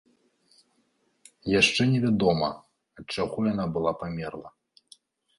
Яшчэ невядома, ад чаго яна была памерла.